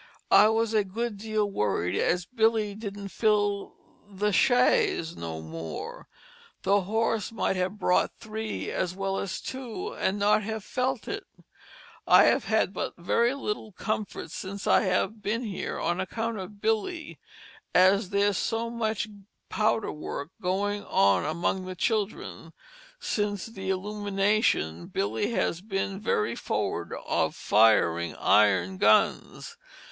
I was a good deal worried as Billey didn't fill the chaise no more, the horse might have brought three as well as two & not have felt it. I have had but very little Comfort since I have bin here on account of Billey as there's so much powderwork going on among the Children since the Illumination Billey has bin very forward of firing iron guns.